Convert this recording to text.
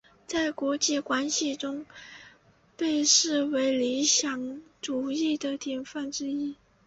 在国际关系中被视为理想主义的典范之一。